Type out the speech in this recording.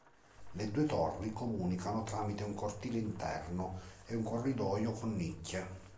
Le due torri comunicano tramite un cortile interno e un corridoio con nicchie.